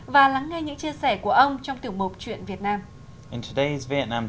và lắng nghe những chia sẻ của ông trong tiểu mục chuyện việt nam